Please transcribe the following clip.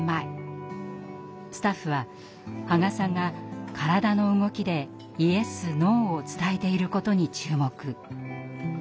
スタッフは波賀さんが体の動きでイエスノーを伝えていることに注目。